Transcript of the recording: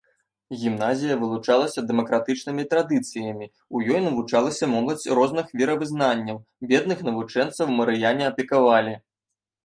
Гімназія вылучалася дэмакратычнымі традыцыямі, у ёй навучалася моладзь розных веравызнанняў, бедных навучэнцаў марыяне апекавалі.